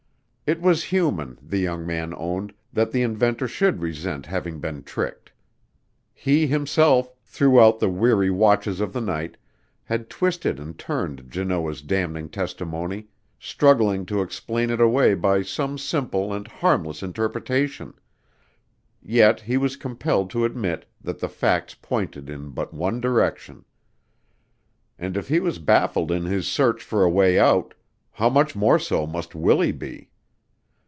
It was human, the young man owned, that the inventor should resent having been tricked. He himself, throughout the weary watches of the night, had twisted and turned Janoah's damning testimony, struggling to explain it away by some simple and harmless interpretation; yet he was compelled to admit that the facts pointed in but one direction. And if he was baffled in his search for a way out, how much more so must Willie be?